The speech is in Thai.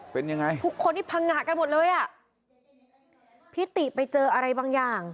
เป็นยังไงทุกคนที่พังงะกันหมดเลยอ่ะพี่ติไปเจออะไรบางอย่าง